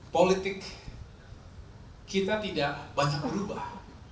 politik kita tidak banyak berubah